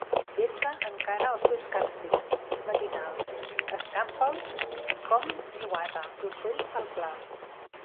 Vessa encara els teus càntics matinals; escampa'ls com niuada d'ocells pel pla.